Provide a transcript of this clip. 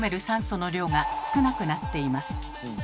酸素の量が少なくなっています。